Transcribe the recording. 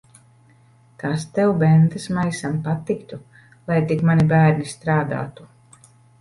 Tas tev, bendesmaisam, patiktu. Lai tik mani bērni strādātu.